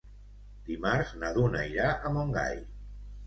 Dimarts na Duna irà a Montgai.